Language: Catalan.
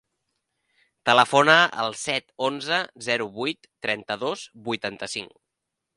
Telefona al set, onze, zero, vuit, trenta-dos, vuitanta-cinc.